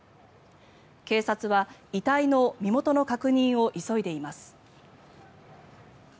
警察は、遺体の身元の確認を急いでいます。